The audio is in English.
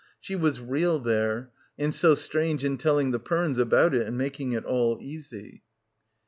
She was real there, and so strange in telling the Pernes about it and making it all easy.